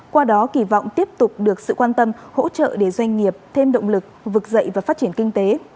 qua đó kỳ vọng tiếp tục được sự quan tâm hỗ trợ để doanh nghiệp thêm động lực vực dậy và phát triển kinh tế